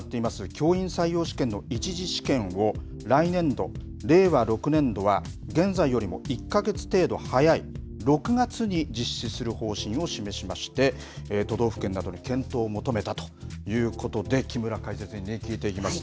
教員採用試験の１次試験を来年度・令和６年度は現在よりも１か月程度早い、６月に実施する方針を示しまして、都道府県などに検討を求めたということで、木村解説委員に聞いていきます。